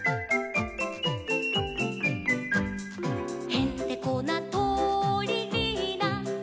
「へんてこなとりリーナ」